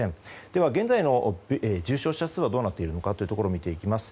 では、現在の重症者はどうなっているのか見ていきます。